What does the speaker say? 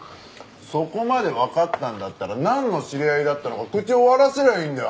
そこまでわかったんだったらなんの知り合いだったのか口を割らせりゃいいんだよ